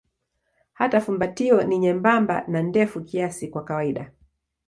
Hata fumbatio ni nyembamba na ndefu kiasi kwa kawaida.